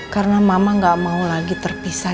karena mama gak mau lagi terpisah